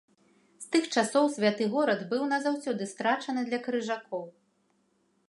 З тых часоў святы горад быў назаўсёды страчаны для крыжакоў.